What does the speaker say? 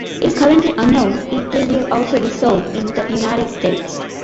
It is currently unknown if they will also be sold in the United States.